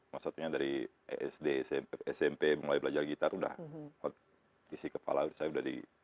maksudnya dari sd smp mulai belajar gitar udah isi kepala saya udah di